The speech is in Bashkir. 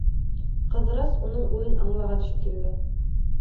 Ҡыҙырас, уның уйын аңлаған шикелле: